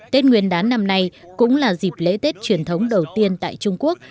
tết nguyên đán năm nay cũng là dịp lễ tết truyền thống đầu tiên tại trung quốc